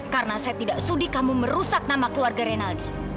karena saya tidak sudi kamu merusak nama keluarga rinaldi